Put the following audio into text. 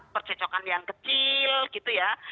percocokan yang kecil gitu ya